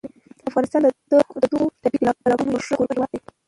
افغانستان د دغو طبیعي تالابونو یو ښه کوربه هېواد دی.